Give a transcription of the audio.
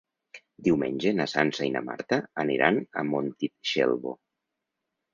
Diumenge na Sança i na Marta aniran a Montitxelvo.